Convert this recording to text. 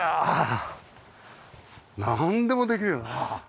なんでもできるよな。